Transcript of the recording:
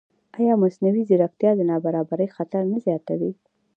ایا مصنوعي ځیرکتیا د نابرابرۍ خطر نه زیاتوي؟